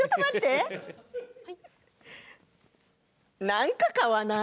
なんか買わない？